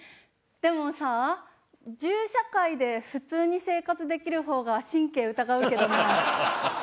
でもさ銃社会で普通に生活できる方が神経疑うけどな。